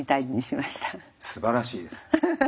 すばらしいです。